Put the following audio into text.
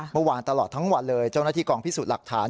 เมื่อวานตลอดทั้งวันเลยเจ้าหน้าที่กองพิสูจน์หลักฐาน